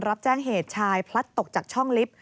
รับแจ้งเหตุชายพลัดตกจากช่องลิฟต์